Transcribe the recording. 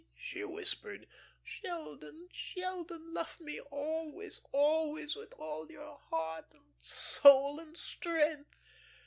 she whispered. "Sheldon, Sheldon, love me always, always, with all your heart and soul and strength."